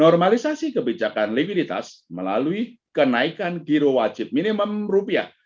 normalisasi kebijakan likuiditas melalui kenaikan giro wajib minimum rupiah